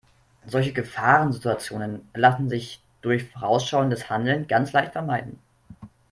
Solche Gefahrensituationen lassen sich durch vorausschauendes Handeln ganz leicht vermeiden.